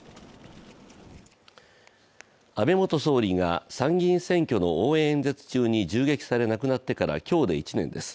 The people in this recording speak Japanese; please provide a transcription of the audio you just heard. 安倍元総理が参議院選挙の応援演説中に銃撃され亡くなってから今日で１年です。